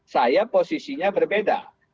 saya posisinya berbeda